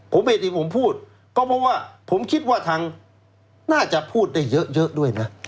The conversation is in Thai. ผมเองที่ผมพูดก็เพราะว่าผมคิดว่าทางน่าจะพูดได้เยอะด้วยนะ